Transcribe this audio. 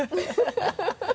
ハハハ